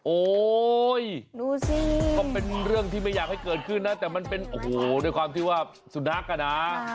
โอ๊ยดูสิก็เป็นเรื่องที่ไม่อยากให้เกิดขึ้นนะแต่มันเป็นโอ้โหด้วยความที่ว่าสุนัขอ่ะนะ